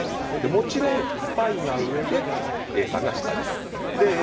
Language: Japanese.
もちろん、スパイが上でＡさんが下です。